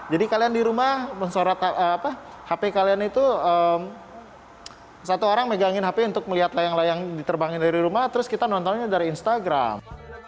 jadi kalian di rumah hp kalian itu satu orang megangin hp untuk melihat layang layang diterbangin dari rumah terus kita nontonnya dari instagram